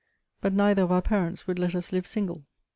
But neither of our parents would let us live single.